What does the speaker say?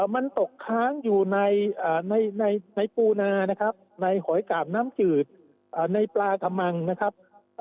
มันตกค้างอยู่ในปูนานะครับในหอยกาบน้ำจืดในปลากระมังนะครับ